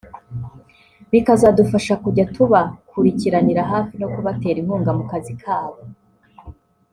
bikazadufasha kujya tubakurikiranira hafi no kubatera inkunga mu kazi kabo